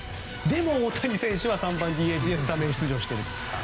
でも大谷選手は３番ＤＨでスタメン出場してる。